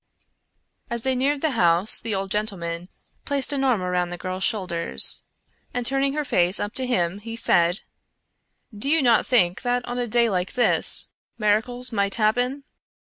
As they neared the house the old gentleman placed an arm around the girl's shoulders and turning her face up to him he said: "Do you not think that on a day like this, miracles might happen?